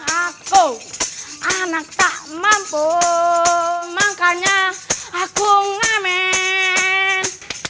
aku anak tak mampu makanya aku ngamen